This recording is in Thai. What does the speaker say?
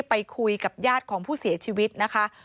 ไปคุยกับญาติของผู้เสียชีวิตนะคะ